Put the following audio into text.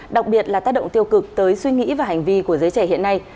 đặc biệt là tác động tiêu cực tới suy nghĩ và hành vi của giới trẻ hiện nay